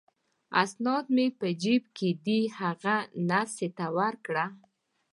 اسناد مې په جیب کې دي، هغه نرسې ته ورکړه.